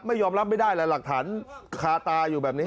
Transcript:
ยอมรับไม่ได้แล้วหลักฐานคาตาอยู่แบบนี้